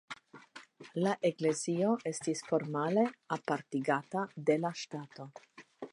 La eklezio estis formale apartigita de la ŝtato.